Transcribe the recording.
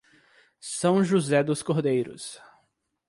São José dos Cordeiros